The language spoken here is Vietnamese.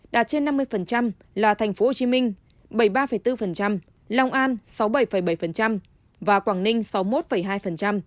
đạt trên năm mươi là thành phố hồ chí minh bảy mươi ba bốn long an sáu mươi bảy bảy và quảng ninh sáu mươi một hai